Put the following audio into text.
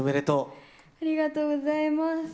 ありがとうございます。